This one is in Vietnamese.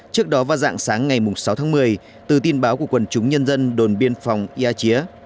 trước đó vào dạng sáng ngày sáu tháng một mươi từ tin báo của quần chúng nhân dân đồn biên phòng ia chía